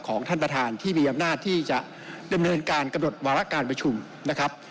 ของท่านประธานที่มีอำนาจที่จะดำเนินการกำหนดวาระการประชุมนะครับ